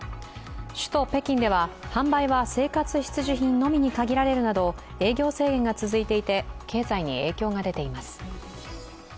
首都・北京では販売は生活必需品のみに限られるなど、営業制限が続いていて、経済に影響が出ています。